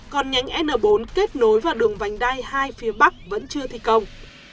còn nhánh n bốn kết nối vào đường vành đai hai phía bắc vẫn chưa thi công